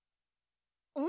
うん？